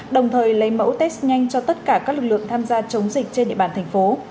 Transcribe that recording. đồng thời lấy mẫu test nhanh cho tất cả các lực lượng tham gia chống dịch trên địa bàn thành phố